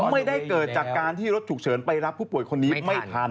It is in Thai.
ไม่ได้เกิดจากการที่รถฉุกเฉินไปรับผู้ป่วยคนนี้ไม่ทัน